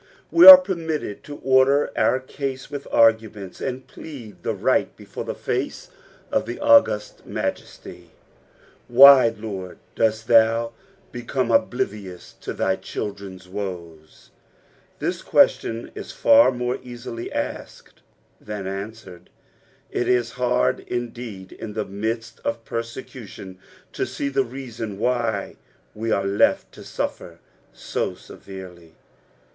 We ore permitted to oraer our case with arguments, and plead the right before the fuce of the august Majesty. Why, Lord, dost thon become DbliriouH of thy children's woes I This question is far more easily asked than answered ; it is hard, indeed, in the midat of persecution to see the reason why we are left to suSer so severely.